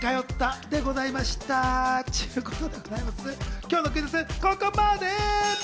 今日のクイズッス、ここまでっと。